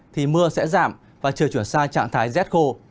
thì mưa sẽ giảm và trời chuyển sang trạng thái rét khô